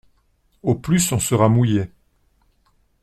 Au plus on sera mouillés.